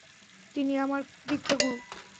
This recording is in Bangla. তিনি আমার দীক্ষাগুরু।